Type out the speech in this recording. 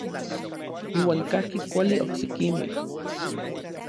Iuan kajki kuali oksekimej.